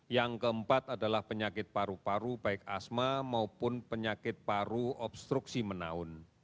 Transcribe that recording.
yang keempat adalah penyakit paru paru baik asma maupun penyakit paru obstruksi menaun